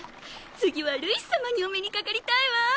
次はルイス様にお目に掛かりたいわ。